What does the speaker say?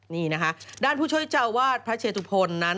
นี่นะคะด้านผู้โชคจาวาสพระเชธุพลนั้น